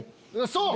そう！